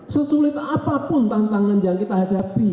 sesulit apapun tantangan yang kita hadapi